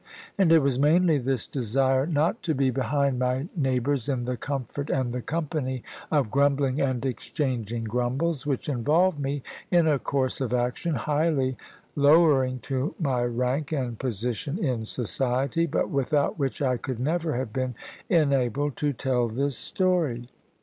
And it was mainly this desire not to be behind my neighbours in the comfort and the company of grumbling and exchanging grumbles, which involved me in a course of action highly lowering to my rank and position in society, but without which I could never have been enabled to tell this story.